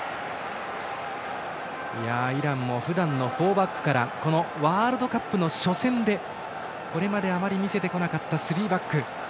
イランもふだんのフォーバックからこのワールドカップの初戦でこれまであまり見せてこなかったスリーバック。